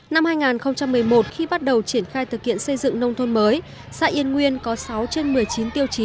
năm hai nghìn một mươi một khi bắt đầu triển khai thực hiện xây dựng nông thôn mới xã yên nguyên có sáu trên một mươi chín tiêu chí